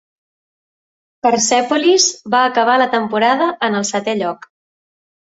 Persepolis va acabar la temporada en el setè lloc.